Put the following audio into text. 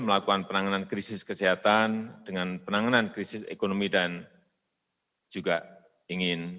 melakukan penanganan krisis kesehatan dengan penanganan krisis ekonomi dan juga ingin